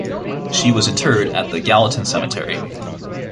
She was interred at the Gallatin Cemetery.